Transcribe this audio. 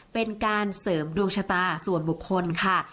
เป็นการเสริมดวงชะตาส่วนบุคคลค่ะ